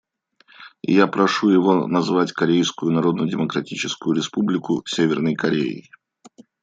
Я прошу его назвать Корейскую Народно-Демократическую Республику «Северной Кореей».